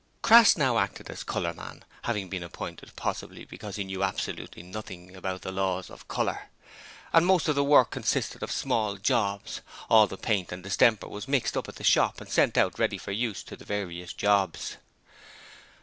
Crass now acted as colourman, having been appointed possibly because he knew absolutely nothing about the laws of colour. As most of the work consisted of small jobs, all the paint and distemper was mixed up at the shop and sent out ready for use to the various jobs.